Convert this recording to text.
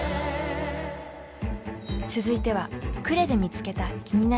続いては呉で見つけた気になる家。